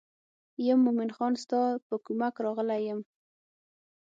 یم مومن خان ستا په کومک راغلی یم.